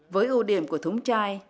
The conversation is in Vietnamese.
với ưu điểm của thúng chai